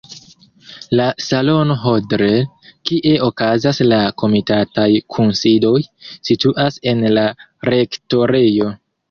La salono Hodler, kie okazas la komitataj kunsidoj, situas en la rektorejo.